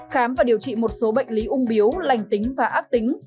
khám và điều trị một số bệnh lý ung biếu lành tính và ác tính